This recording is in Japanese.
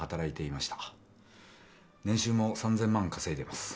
年収も３，０００万稼いでます。